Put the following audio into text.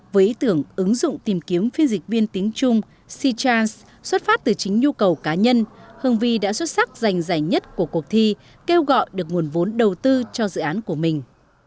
với ý tưởng ứng dụng tìm kiếm phi dịch viên tiếng trung sitchas xuất phát từ chính nhu cầu cá nhân hương vi đã xuất sắc giành giải nhất của cuộc thi kêu gọi được nguồn vốn đầu tư cho dự án của mình